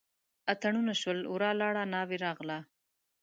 اتڼونه شول ورا لاړه ناوې راغله.